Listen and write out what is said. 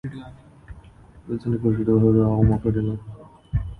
Wilson reportedly drove her home after dinner.